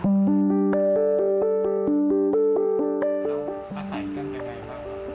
แล้วอาศัยกันอย่างไรบ้าง